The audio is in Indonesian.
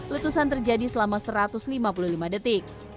letusan terjadi selama satu ratus lima puluh lima detik